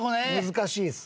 難しいです。